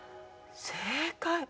正解。